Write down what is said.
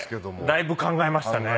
だいぶ考えましたね。